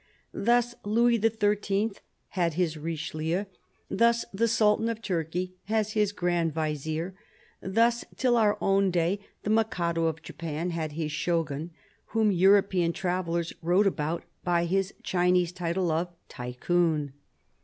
Thus Louis XIII. had his Richelieu ; thus the Sultan of Turkey has his Grand Vizier : thus, till our own day, the Mikado of Japan had his Shogun, whom European travellers wrote about by his Chinese title of Tycoon.